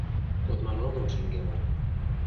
Кодман огыл шеҥгелан.